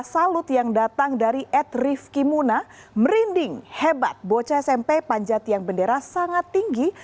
salud yang datang dari at rif kimuna merinding hebat bocca smp panjat tiang bendera sangat tinggi